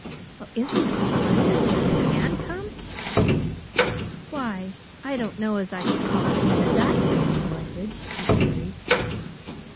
"Well, isn't it splendid, if they can come?" "Why, I don't know as I should call it exactly splendid," he parried.